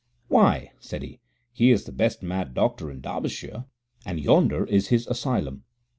"Why," said he, "he is the best mad doctor in Derbyshire, and yonder is his asylum."